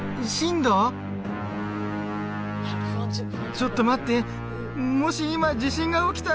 ちょっと待って。